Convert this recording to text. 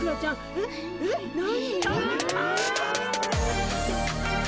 えっえっ何？